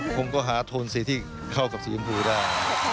ผมก็หาโทนสีที่เข้ากับสีชมพูได้